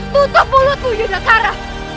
putuk mulutmu yudhakara